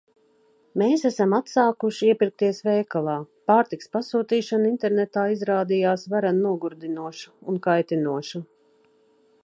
Mēs esam atsākuši iepirkties veikalā – pārtikas pasūtīšana internetā izrādījās varen nogurdinoša un kaitinoša.